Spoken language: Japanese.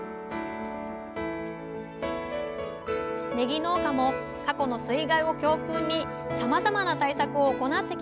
ねぎ農家も過去の水害を教訓にさまざまな対策を行ってきました。